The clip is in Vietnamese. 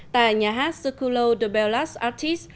tại nhà hát circulo de bellas artis